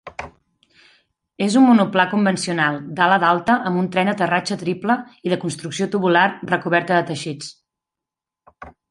És un monoplà convencional d'ala d'alta amb un tren d'aterratge triple i de construcció tubular recoberta de teixits.